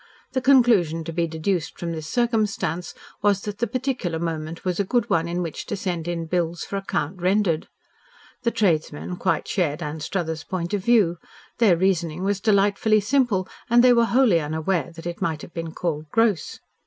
The conclusion to be deduced from this circumstance was that the particular moment was a good one at which to send in bills for "acct. rendered." The tradesmen quite shared Anstruthers' point of view. Their reasoning was delightfully simple and they were wholly unaware that it might have been called gross.